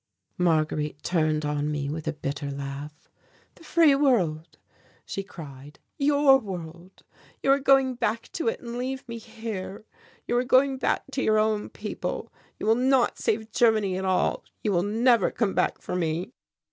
Marguerite turned on me with a bitter laugh. "The free world," she cried, "your world. You are going back to it and leave me here. You are going back to your own people you will not save Germany at all you will never come back for me!"